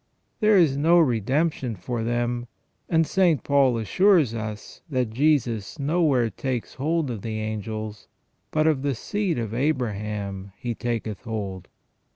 There is no redemption for them, and St. Paul assures us that Jesus "nowhere takes hold of the angels, but of the seed of Abraham He taketh hold".